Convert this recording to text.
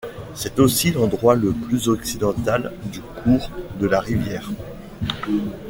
C'est aussi l'endroit le plus occidental du cours de la rivière.